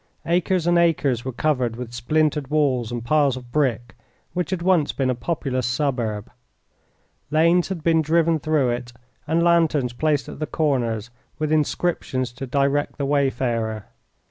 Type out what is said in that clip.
Acres and acres were covered with splintered walls and piles of brick which had once been a populous suburb. Lanes had been driven through it and lanterns placed at the corners with inscriptions to direct the wayfarer.